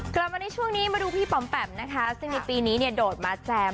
กลับมาในช่วงนี้มาดูพี่ปำแปมนะคะซึ่งในปีนี้เนี่ยโดดมาแจม